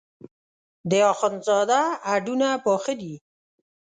د اخوندزاده هډونه پاخه دي.